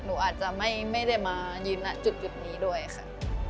หนูอาจจะไม่ได้มายืนณจุดนี้ด้วยค่ะ